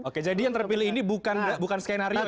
oke jadi yang terpilih ini bukan skenario ya bang